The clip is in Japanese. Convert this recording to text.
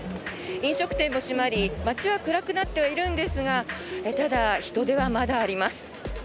飲食店も閉まり街は暗くなっているんですがただ、人出はまだあります。